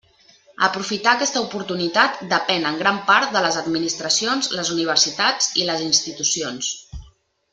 Aprofitar aquesta oportunitat depèn en gran part de les administracions, les universitats i les institucions.